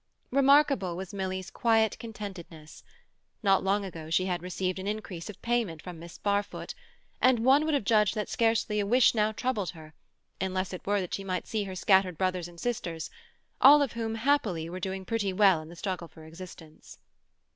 Remarkable was Milly's quiet contentedness; not long ago she had received an increase of payment from Miss Barfoot, and one would have judged that scarcely a wish now troubled her, unless it were that she might see her scattered brothers and sisters, all of whom, happily, were doing pretty well in the struggle for existence.